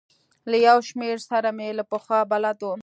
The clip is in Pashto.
له یو شمېرو سره مې له پخوا بلد وم.